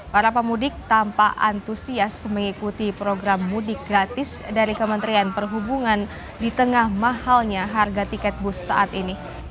para pemudik tampak antusias mengikuti program mudik gratis dari kementerian perhubungan di tengah mahalnya harga tiket bus saat ini